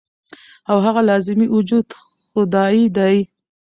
او هغه لازمي وجود خدائے دے -